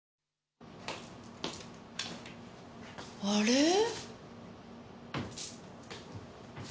あれ？